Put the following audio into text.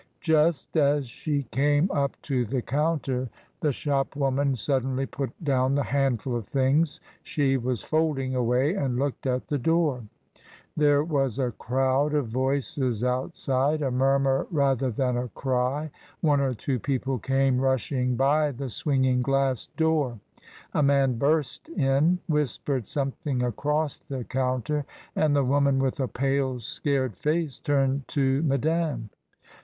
Just as she came up to the counter, the shopwoman suddenly put down the handful of things she was folding away and looked at the door. There was a crowd of voices outside, a murmur rather than a cry; one or two people came rushing by the swinging glass door; a man burst in, whispered something across the counter, and the woman, with a pale scared face, turned to Ma dame.